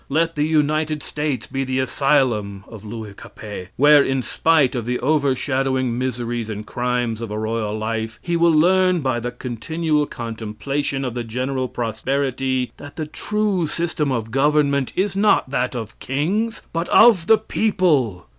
Let the United States be the asylum of Louis Capet, where, in spite of the overshadowing miseries and crimes of a royal life, he will learn by the continual contemplation of the general prosperity that the true system of government is not that of kings, but of the people.